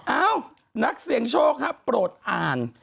เอ้านักเสี่ยงโชคครับโปรดอ่าน